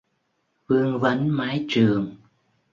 Vương vấn mái trường